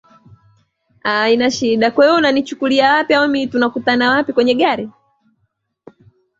zao na huduma Ndiyo asili ya nyaraka mbalimbali ambazo zinaunda